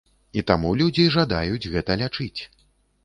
І таму людзі жадаюць гэта лячыць.